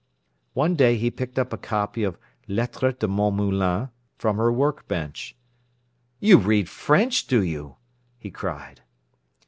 One day he picked up a copy of Lettres de mon Moulin from her work bench. "You read French, do you?" he cried.